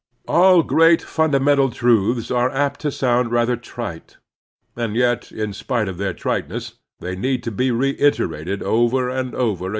All great fimdamental truths are apt to sotmd rather trite, and yet in spite of their triteness they need to be reiterated over and over again.